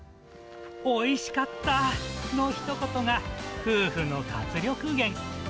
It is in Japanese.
おいしかった、のひと言が、夫婦の活力源。